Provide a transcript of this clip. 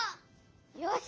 よし！